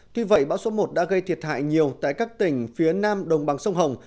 tuy vậy bão số một đã gây thiệt hại nhiều tại các tỉnh phía nam đồng bằng sông hồng